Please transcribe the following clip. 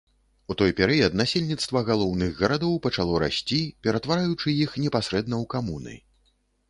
У той перыяд насельніцтва галоўных гарадоў пачало расці, ператвараючы іх непасрэдна ў камуны.